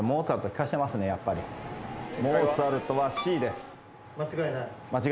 モーツァルトはＣです。